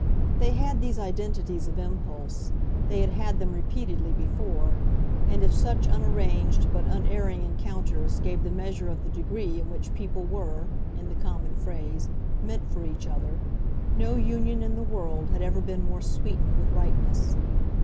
They had these identities of impulse they had had them repeatedly before; and if such unarranged but unerring encounters gave the measure of the degree in which people were, in the common phrase, meant for each other, no union in the world had ever been more sweetened with rightness.